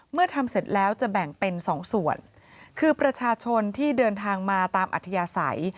เมื่อทำเสร็จแล้วจะแบ่งเป็น๒ส่วนคือประชาชนที่เดินทางมาตามอธิษฐ์ใส